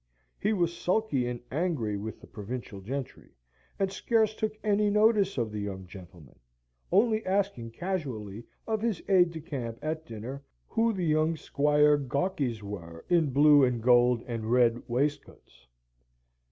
He was sulky and angry with the provincial gentry, and scarce took any notice of the young gentlemen, only asking, casually, of his aide de camp at dinner, who the young Squire Gawkeys were in blue and gold and red waistcoats?